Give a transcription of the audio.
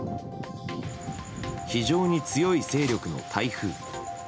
非常に強い勢力の台風。